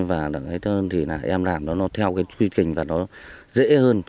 và em làm nó theo cái quy trình và nó dễ hơn